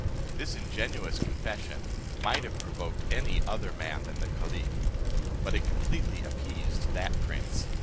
'" This ingenuous confession might have provoked any other man than the caliph; but it completely appeased that prince.